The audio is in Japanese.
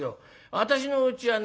私のうちはね